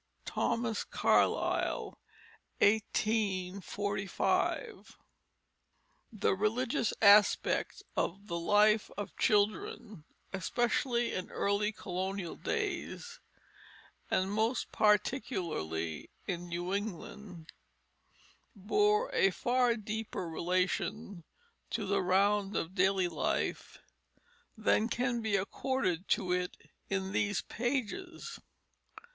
Thomas Carlyle, 1845._ The religious aspect of the life of children, especially in early colonial days, and most particularly in New England, bore a far deeper relation to the round of daily life than can be accorded to it in these pages.